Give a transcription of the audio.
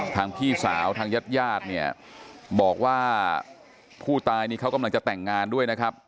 พี่สาวทางญาติญาติเนี่ยบอกว่าผู้ตายนี่เขากำลังจะแต่งงานด้วยนะครับ